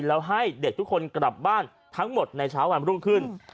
แล้วให้เด็กทุกคนกลับบ้านทั้งหมดในเช้าวันรุ่งขึ้น